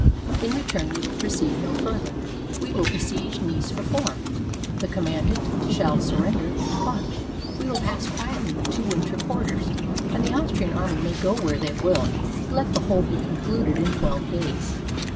In return we will proceed no further. We will besiege Neiss for form. The commandant shall sur render and depart. We will pass quietly into winter quarters, and the Austrian army may go where they will. Let the whole be concluded in twelve days."